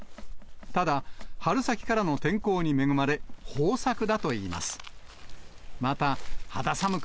ただ、春先からの天候に恵まれ、豊作だといいます。